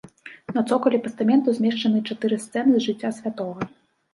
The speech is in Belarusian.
На цокалі пастаменту змешчаныя чатыры сцэны з жыцця святога.